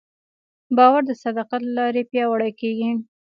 باور د صداقت له لارې پیاوړی کېږي.